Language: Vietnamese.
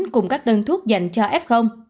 cùng các đơn thuốc dành cho f